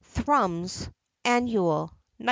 — Thrum's Annual, iqi6.)